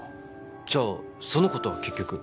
じゃあその子とは結局？